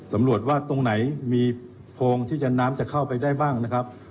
สำรวจว่าตรงไหนมีโพงที่น้ำจะเข้าไปได้บ้างนะครับ